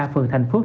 phường thành phước